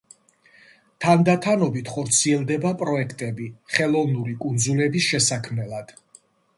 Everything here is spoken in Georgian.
თანდათანობით ხორციელდება პროექტები ხელოვნური კუნძულების შესაქმნელად.